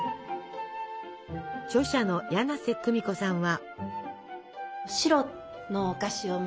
著者の柳瀬久美子さんは。